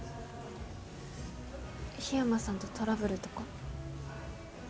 桧山さんとトラブルとか。